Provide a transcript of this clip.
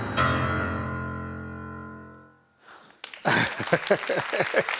ハハハハ。